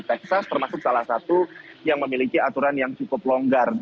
texas termasuk salah satu yang memiliki aturan yang cukup longgar